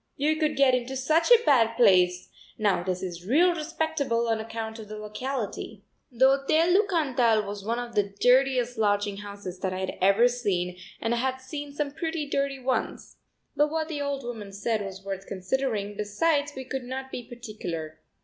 You could get into such a bad place; now this is real respectable on account of the locality." The Hotel du Cantal was one of the dirtiest lodging houses that I had ever seen and I had seen some pretty dirty ones! But what the old woman said was worth considering, besides we could not be particular.